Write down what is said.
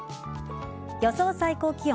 予想最高気温。